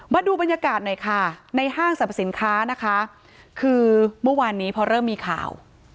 มาดูบรรยากาศหน่อยค่ะในห้างสรรพสินค้านะคะคือเมื่อวานนี้พอเริ่มมีข่าว